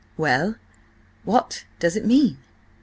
"Well, what does it mean?